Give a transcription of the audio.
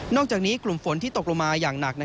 อกจากนี้กลุ่มฝนที่ตกลงมาอย่างหนัก